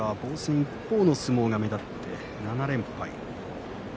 一方の相撲が目立って７連敗。